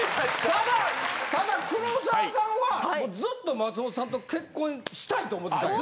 ただただ黒沢さんはもうずっと松本さんと結婚したいと思ってたんや。